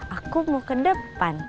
aku mau ke depan